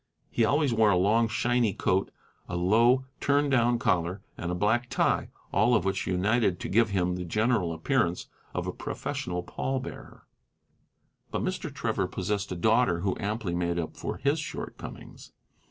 He always wore a long, shiny coat, a low, turned down collar, and a black tie, all of which united to give him the general appearance of a professional pallbearer. But Mr. Trevor possessed a daughter who amply made up for his shortcomings.